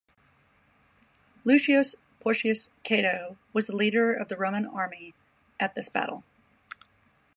Lucius Porcius Cato was the leader of the Roman army at this battle.